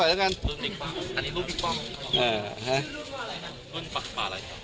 อะไรครับ